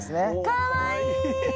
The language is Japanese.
かわいい！